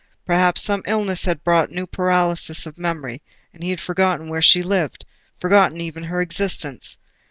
Perhaps some illness had brought a new paralysis of memory, and he had forgotten where she lived—forgotten even her existence.